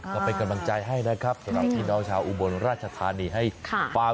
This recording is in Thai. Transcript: ก็เป็นกำลังใจให้นะครับสำหรับพี่น้องชาวอุบลราชธานีให้ฟัง